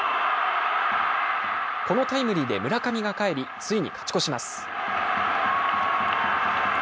このタイムリーで村上が帰りついに勝ち越します。